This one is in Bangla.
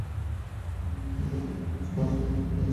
পাগল বুড়িটা সন্ন্যাসীর মতো লুকিয়ে আছে!